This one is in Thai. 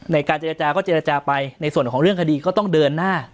ในการเจรจาก็เจรจาไปในส่วนของเรื่องคดีก็ต้องเดินหน้า